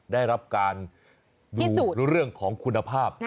ได้รับการดูเรื่องของคุณภาพ